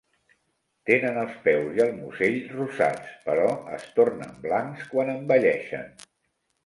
Tenen els peus i el musell rosats, però es tornen blancs quan envelleixen.